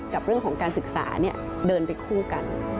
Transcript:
กับเรื่องของการศึกษาเดินไปคู่กัน